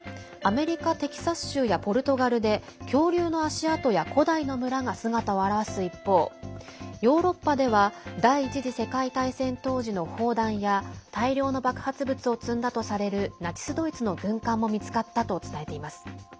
フランス２はアメリカ・テキサス州やポルトガルで恐竜の足跡や古代の村が姿を現す一方ヨーロッパでは第１次世界大戦当時の砲弾や大量の爆発物を積んだとされるナチス・ドイツの軍艦も見つかったと伝えています。